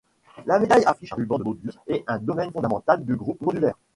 La médaille affiche un ruban de Möbius et un domaine fondamental du groupe modulaire.